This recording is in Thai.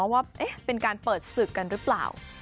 ว่าเป็นการเปิดศึกกันหรือเปล่า